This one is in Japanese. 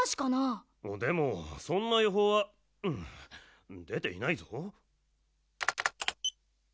でもそんなよほうはでていないぞ。